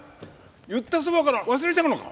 言ったそばから忘れちゃうのか？